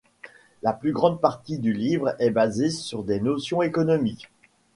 La plus grande partie du livre est basée sur des notions économiques.